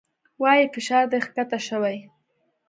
وايي فشار دې کښته شوى.